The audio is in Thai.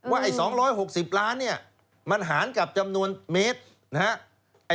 ไอ้๒๖๐ล้านเนี่ยมันหารกับจำนวนเมตรนะฮะ